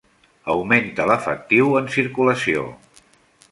Augmenta l'efectiu en circulació.